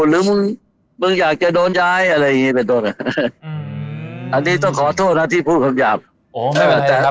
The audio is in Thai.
หรือมึงอยากจะโดนย้ายอะไรอย่างงี้อันนี้ต้องขอโทษนะที่พูดคำใหญ่